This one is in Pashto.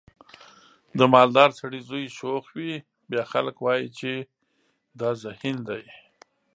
د مالدار سړي زوی شوخ وي بیا خلک وایي چې دا ذهین دی.